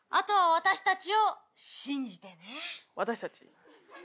「私たち」？